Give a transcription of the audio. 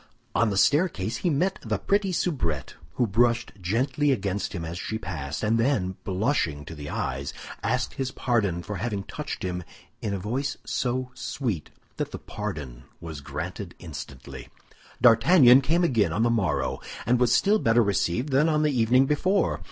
On the staircase he met the pretty soubrette, who brushed gently against him as she passed, and then, blushing to the eyes, asked his pardon for having touched him in a voice so sweet that the pardon was granted instantly. D'Artagnan came again on the morrow, and was still better received than on the evening before.